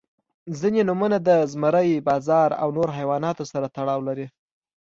• ځینې نومونه د زمری، باز او نور حیواناتو سره تړاو لري.